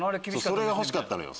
それが欲しかったのよ。